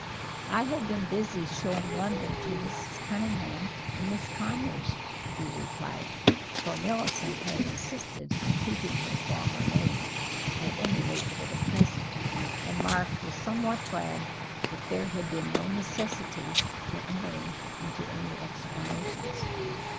"I have been busy showing London to Mrs. Cunningham and Miss Conyers," he replied for Millicent had insisted on keeping her former name, at any rate for the present and Mark was somewhat glad that there had been no necessity for entering into any explanations.